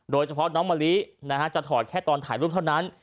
โดยเฉพาะน้องมะลิจะถอดแค่ตอนถ่ายรูปเท่านั้น